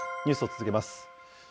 ニュースを続けます。